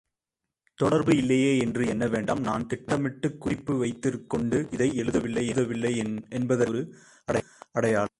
தொடர்பு இல்லையே என்று எண்ணவேண்டாம் நான் திட்டமிட்டுக் குறிப்பு வைத்துக்கொண்டு இதை எழுதவில்லை என்பதற்கு இது ஒரு அடையாளம்.